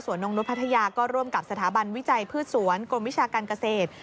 นกนุษย์พัทยาก็ร่วมกับสถาบันวิจัยพืชสวนกรมวิชาการเกษตร